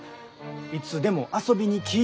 「いつでも遊びに来い」